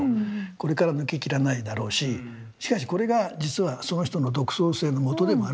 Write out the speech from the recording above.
これから抜けきらないだろうししかしこれが実はその人の独創性のもとでもあるんだよね。